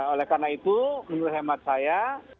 oleh karena itu menurut hemat saya